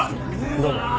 どうも。